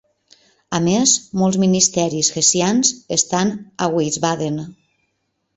A més, molts ministeris hessians estan a Wiesbaden.